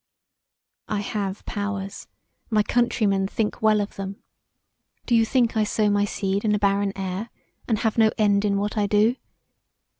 "I have powers; my countrymen think well of them. Do you think I sow my seed in the barren air, & have no end in what I do?